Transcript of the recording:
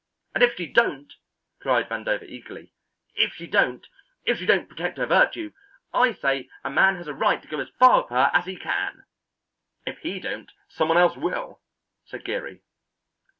"And if she don't," cried Vandover eagerly, "if she don't if she don't protect her virtue, I say a man has a right to go as far with her as he can." "If he don't, some one else will," said Geary.